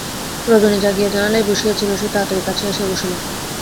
রজনী জাগিয়া জানালায় বসিয়া ছিল, সে তাড়াতাড়ি কাছে আসিয়া বসিল।